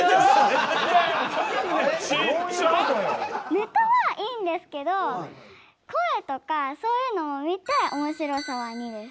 ネタはいいんですけど声とかそういうのも見て「おもしろさ」は２です。